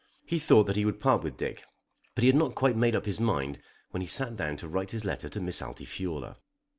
He thought that he would part with Dick; but he had not quite made up his mind when he sat down to write his letter to Miss Altifiorla.